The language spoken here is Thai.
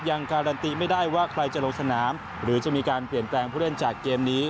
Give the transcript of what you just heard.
ยังการันตีไม่ได้ว่าใครจะลงสนามหรือจะมีการเปลี่ยนแปลงผู้เล่นจากเกมนี้